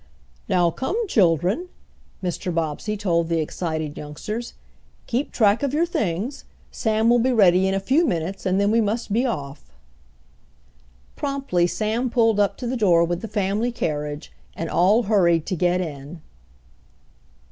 "Now come, children," Mr. Bobbsey told the excited youngsters. "Keep track of your things. Sam will be ready in a few minutes, and then we must be off." Promptly Sam pulled up to the door with the family carriage, and all hurried to get in.